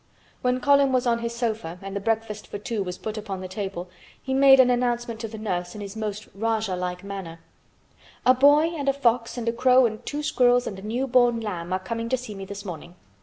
When Colin was on his sofa and the breakfast for two was put upon the table he made an announcement to the nurse in his most Rajah like manner. "A boy, and a fox, and a crow, and two squirrels, and a new born lamb, are coming to see me this morning.